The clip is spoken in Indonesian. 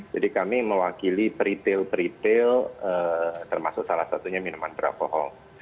jadi kami mewakili peritil peritil termasuk salah satunya minuman beralkohol